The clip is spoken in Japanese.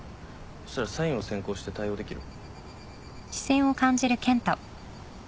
そしたらサインを先行して対応できる？